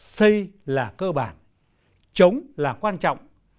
xây là cơ bản chống là quan trọng